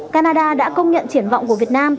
canada đã công nhận triển vọng của việt nam